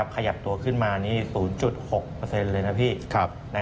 ขยับตัวขึ้นมานี่๐๖เลยนะพี่